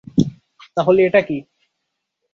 তাহলে, এটা কী?